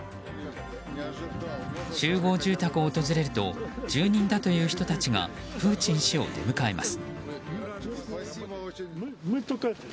集合住宅を訪れると住人だという人たちがプーチン氏を出迎えます。